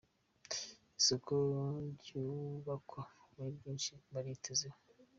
Isoko ryubakwa hari byinshi baritezeho